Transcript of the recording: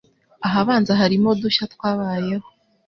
Ahabanza harimo dushya twabayeho